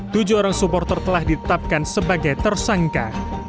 tujuh orang supporter telah ditetapkan sebagai tersangka